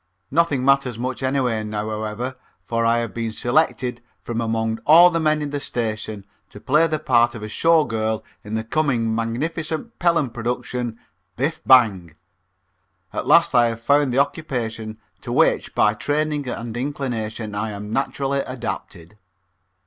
Nothing matters much, anyway, now, however, for I have been selected from among all the men in the station to play the part of a Show Girl in the coming magnificent Pelham production, "Biff! Bang!" At last I have found the occupation to which by training and inclination I am naturally adapted.